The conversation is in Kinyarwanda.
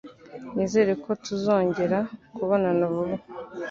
Nizere ko tuzongera kubonana vuba.